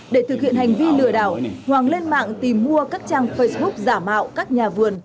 để thực hiện hành vi lừa đảo hoàng lên mạng tìm mua các trang facebook giả mạo các nhà vườn